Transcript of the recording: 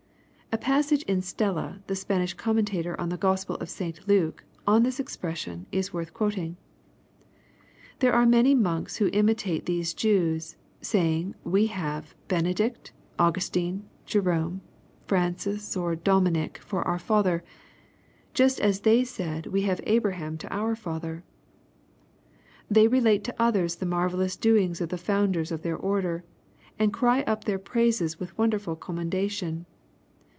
] A passage in Stella, the Spanish commentator on the Gospel of St. Luke, on this expres sion, is worth quoting: — "There are many monks who imitate these Jews, say 'ng, we have Benedict, Augustine, Jerome, Francis, or Dominic for our father, just as they said, we have Abraham to our father. They relate to others the marvellous doings of the founders of their order, and cry up their praises with wonderful commendation.